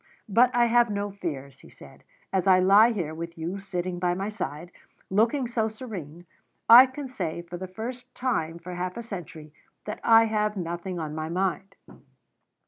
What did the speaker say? "But I have no fears," he said. "As I lie here, with you sitting by my side, looking so serene, I can say, for the first time for half a century, that I have nothing on my mind.